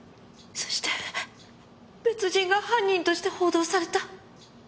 そして別人が犯人として報道された。